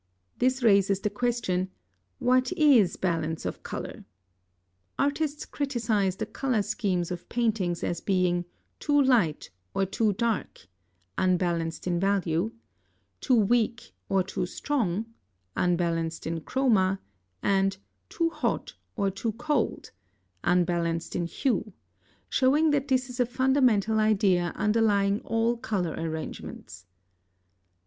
+ (75) This raises the question, What is balance of color? Artists criticise the color schemes of paintings as being "too light or too dark" (unbalanced in value), "too weak or too strong" (unbalanced in chroma), and "too hot or too cold" (unbalanced in hue), showing that this is a fundamental idea underlying all color arrangements.